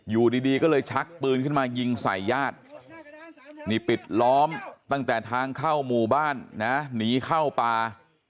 อยู่ดีก็เลยชักปืนขึ้นมายิงใส่ญาตินี่ปิดล้อมตั้งแต่ทางเข้าหมู่บ้านนะหนีเข้าป่า